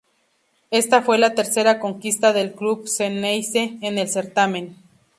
Esta fue la tercera conquista del club xeneize en el certamen.